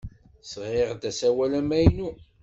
Sɣiɣ-d asawal amaynu.